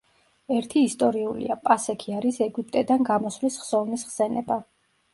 ერთი ისტორიულია: პასექი არის ეგვიპტედან გამოსვლის ხსოვნის ხსენება.